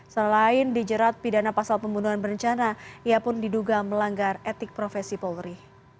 selain dijerat pidana pasal pembunuhan berencana ia pun diduga melanggar etik profesi polri